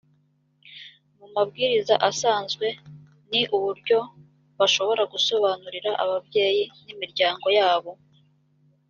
mu mabwiriza asanzwe ni uburyo bashobora gusobanurira ababyeyi n’imiryango yabo